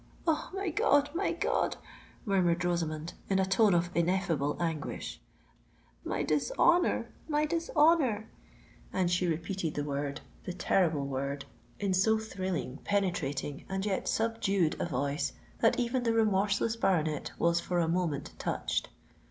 "Oh! my God! my God!" murmured Rosamond, in a tone of ineffable anguish: "my dishonour!—my dishonour!" And she repeated the word—the terrible word, in so thrilling, penetrating, and yet subdued a voice, that even the remorseless baronet was for a moment touched.